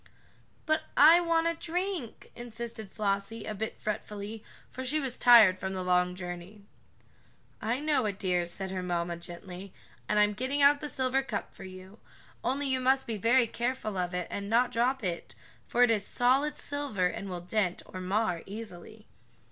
"But I want a drink," insisted Flossie, a bit fretfully, for she was tired from the long journey. "I know it, dear," said her mamma gently, "and I'm getting out the silver cup for you. Only you must be very careful of it, and not drop it, for it is solid silver and will dent, or mar, easily."